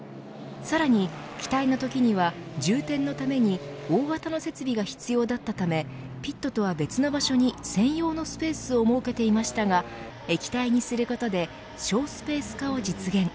さらに気体のときには充填のために大型の設備が必要だったためピットとは別の場所に専用のスペースを設けていましたが液体にすることで省スペース化を実現。